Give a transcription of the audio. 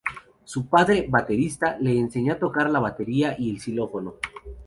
Su padre, baterista, le enseñó a tocar la batería y el xilófono.